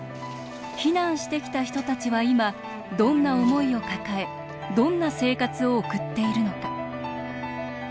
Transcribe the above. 避難してきた人たちは今どんな思いを抱えどんな生活を送っているのか。